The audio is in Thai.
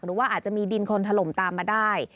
หรือว่าอาจจะมีดินคนถล่มตามมาได้